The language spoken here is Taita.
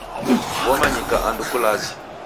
Womanyika andu kulazi.